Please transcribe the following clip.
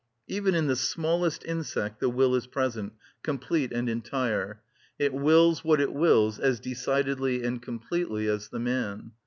Even in the smallest insect the will is present, complete and entire; it wills what it wills as decidedly and completely as the man.